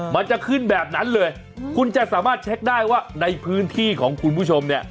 มันจะขึ้นแบบนั้นเลยคุณจะสามารถเช็คได้ว่าในพื้นที่ของคุณผู้ชมเนี่ย